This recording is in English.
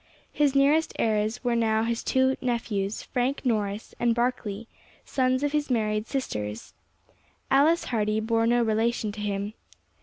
His nearest heirs now were his two nephews, Frank Norris and Barkley, sons of his married sisters. Alice Hardy bore no relation to him.